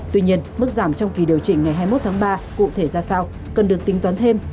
tuy nhiên mức giảm trong kỳ điều chỉnh ngày hai mươi một tháng ba cụ thể ra sao cần được tính toán thêm